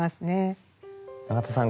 永田さん